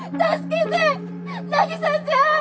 凪沙ちゃん！